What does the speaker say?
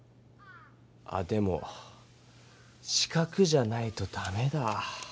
あでも四角じゃないとダメだ。